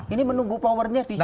ini menunggu powernya di sana